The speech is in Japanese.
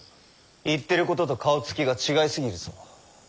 言ってることと顔つきが違い過ぎるぞ。